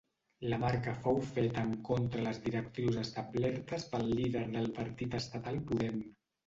La marca fou feta en contra les directrius establertes pel líder del partit estatal Podem.